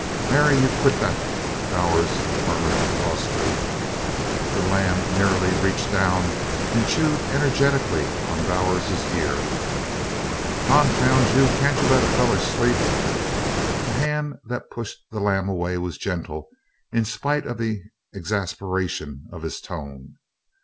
"Mary! You quit that!" Bowers murmured crossly. The lamb merely reached down and chewed energetically on Bowers's ear. "Confound you can't you let a feller sleep?" The hand that pushed the lamb away was gentle in spite of the exasperation of his tone.